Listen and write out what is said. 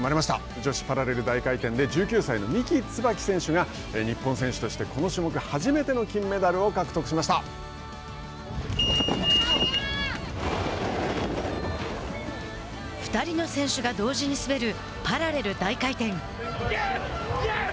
女子パラレル大回転では１９歳の三木つばき選手が日本選手としてこの種目２人の選手が同時に滑るパラレル大回転。